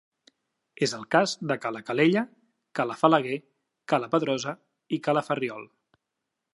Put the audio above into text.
És el cas de Cala Calella, Cala Falaguer, Cala Pedrosa i Cala Ferriol.